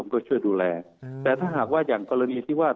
ก็ช่วยดูแลแต่ถ้าหากว่าอย่างกรณีที่ว่า